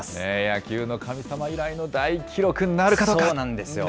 野球の神様以来の大記録なるかどうか。